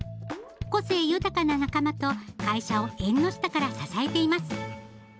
個性豊かな仲間と会社を縁の下から支えています。